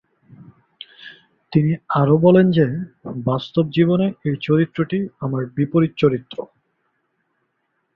তিনি আরও বলেন যে, "বাস্তব জীবনে এই চরিত্রটি আমার বিপরীত চরিত্র"।